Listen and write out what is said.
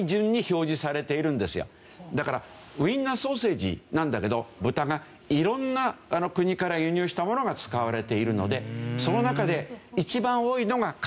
だからウインナーソーセージなんだけど豚が色んな国から輸入したものが使われているのでその中で一番多いのがカナダですね。